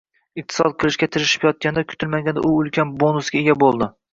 iqtisod qilishga tirishib yotganda kutilmaganda u ulkan bonusga ega bo‘ldi.